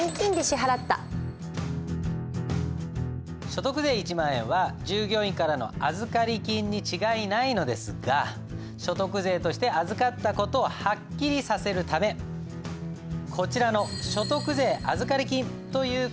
所得税１万円は従業員からの預り金に違いないのですが所得税として預かった事をはっきりさせるためこちらの所得税預り金という勘定科目を使います。